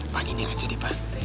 pak gini aja deh pak